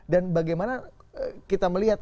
dan bagaimana kita melihat